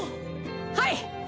はい！